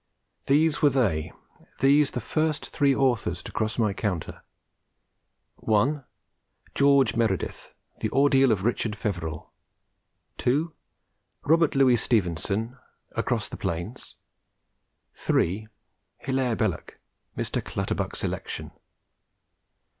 These were they, these the first three authors to cross my counter: 1. George Meredith: The Ordeal of Richard Feverel. 2. Robert Louis Stevenson: Across the Plains. 3. Hilaire Belloc: Mr. Clutterbuck's Election.